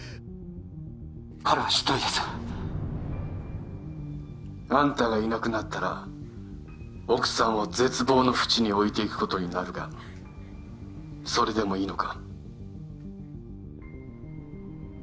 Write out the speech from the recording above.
彼は執刀医ですあんたがいなくなったら奥さんを絶望のふちに置いていくことになるがそれでもいいのか？